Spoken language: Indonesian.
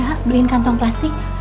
ya udah beliin kantong plastik